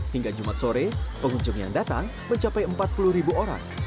hingga jumat sore pengunjung yang datang mencapai empat puluh ribu orang